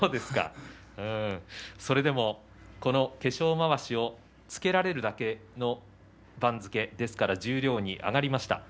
それでも、この化粧まわしをつけられるだけの番付ですから十両に上がりました。